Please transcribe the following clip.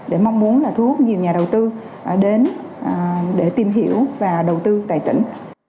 để mong muốn là thu hút nhiều nhà đầu tư đến để tìm hiểu và đầu tư tại tỉnh